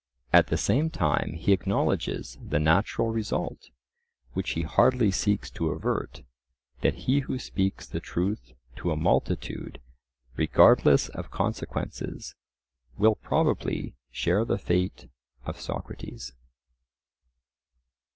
At the same time he acknowledges the natural result, which he hardly seeks to avert, that he who speaks the truth to a multitude, regardless of consequences, will probably share the fate of Socrates.